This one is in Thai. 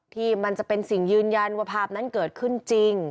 ที่มันจะเป็นสิ่งยืนยันว่าภาพนั้นเกิดขึ้นจริง